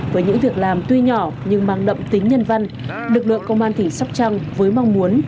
với những việc làm tuy nhỏ nhưng mang đậm tính nhân văn lực lượng công an tỉnh sóc trăng với mong muốn